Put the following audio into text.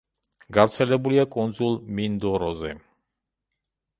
გავრცელებულია კუნძულ მინდოროზე.